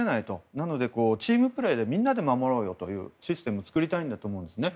なのでチームプレーでみんなで守ろうよというシステムを作りたいんだと思うんですね。